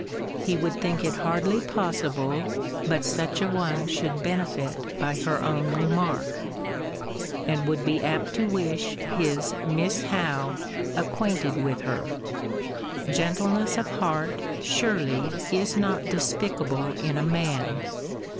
He would think it hardly possible, but such a one should benefit by her own remark; and would be apt to wish his Miss Howe acquainted with her. * See Vol.I. Letter X. Gentleness of heart, surely, is not despicable in a man.